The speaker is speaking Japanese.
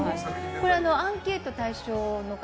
アンケート対象の方